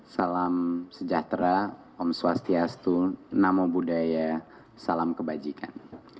salam sejahtera om swastiastu nama budaya salam kebajikan